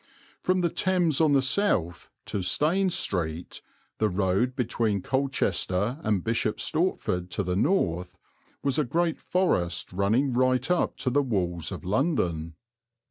From the Thames on the south to Stane Street, the road between Colchester and Bishop Stortford, to the north, was a great forest running right up to the walls of London.